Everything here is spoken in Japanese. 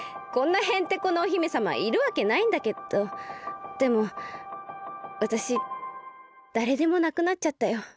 こんなヘンテコなお姫さまいるわけないんだけどでもわたしだれでもなくなっちゃったよ。